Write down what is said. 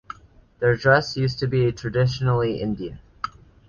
Their dress used to be traditionally Indian.